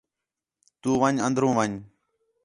تُو ون٘ڄ اندر ون٘ڄ